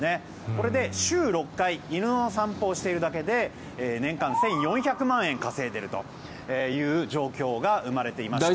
これで週６回犬の散歩をしているだけで年間１４００万円稼いでいるという状況が生まれています。